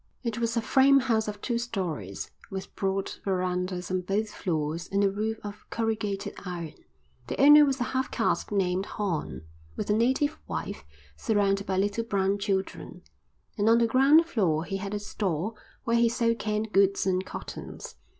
It was a frame house of two storeys, with broad verandahs on both floors and a roof of corrugated iron. The owner was a half caste named Horn, with a native wife surrounded by little brown children, and on the ground floor he had a store where he sold canned goods and cottons.